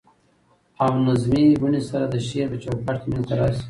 او نظمي بڼې سره د شعر په چو کاټ کي منځ ته راشي.